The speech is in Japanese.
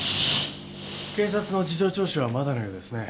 警察の事情聴取はまだのようですね。